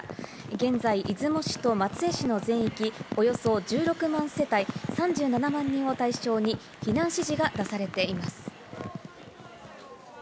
現在、出雲市と松江市の全域およそ１６万世帯、３７万人を対象に避難指示が出されています。